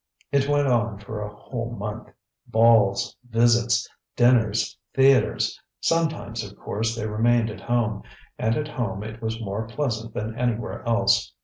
It went on for a whole month. Balls, visits, dinners, theatres. Sometimes, of course, they remained at home. And at home it was more pleasant than anywhere else.